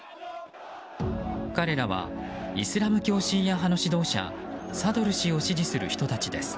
彼らはイスラム教シーア派の指導者サドル師を支持する人たちです。